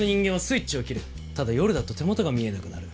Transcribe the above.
ただ夜だと手元が見えなくなる。